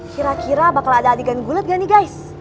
kira kira bakal ada adegan gulat gak nih guys